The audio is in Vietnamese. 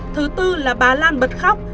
thứ tư là bà lan bật khóc